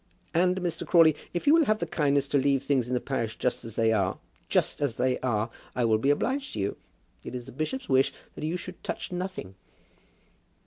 "And, Mr. Crawley, if you will have the kindness to leave things in the parish just as they are, just as they are, I will be obliged to you. It is the bishop's wish that you should touch nothing."